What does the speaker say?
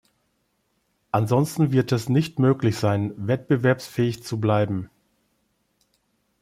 Ansonsten wird es nicht möglich sein, wettbewerbsfähig zu bleiben.